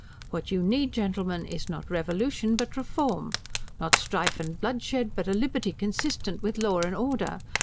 What you need, gentlemen, is not revolution, but reform; not strife and bloodshed, but a liberty consistent with law and order.